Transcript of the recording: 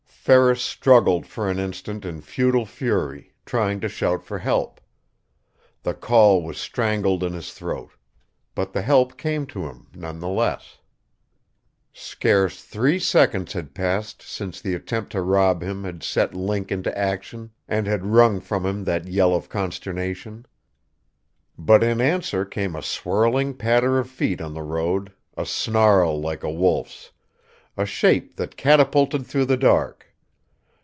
Ferris struggled for an instant in futile fury, trying to shout for help. The call was strangled in his throat. But the help came to him, none the less. Scarce three seconds had passed since the attempt to rob him had set Link into action and had wrung from him that yell of consternation. But in answer came a swirling patter of feet on the road, a snarl like a wolf's, a shape that catapulted through the dark.